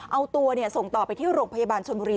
เอาตัวส่งต่อไปที่โรงพยาบาลชนบุรี